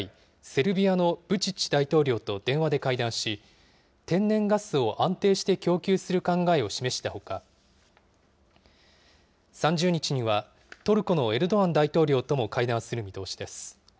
セルビアのブチッチ大統領と電話で会談し、天然ガスを安定して供給する考えを示したほか、３０日にはトルコのエルドアン大統領とも会談する見通しです。